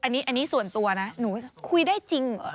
อันนี้ส่วนตัวนะหนูคุยได้จริงเหรอ